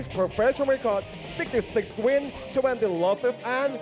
๖๖ประโยชน์๒๐ประโยชน์และ๓ประโยชน์